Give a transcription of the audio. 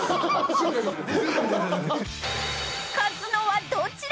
［勝つのはどちらか？